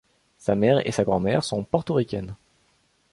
Sa mère et sa grand-mère sont portoricaines.